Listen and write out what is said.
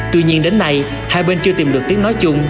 tuy nhiên đến nay hai bên chưa tìm được tiếng nói chung